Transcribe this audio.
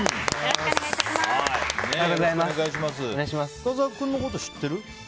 深澤君のこと知ってる？